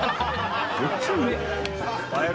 めっちゃいいやん。